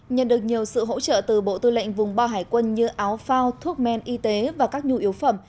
nhận được nhiều sự hỗ trợ từ bộ tư lệnh vùng ba hải quân như áo phao thuốc men y tế và các nhu yếu phẩm